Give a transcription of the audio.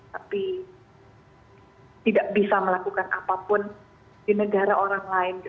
tapi tidak bisa melakukan apapun di negara orang lain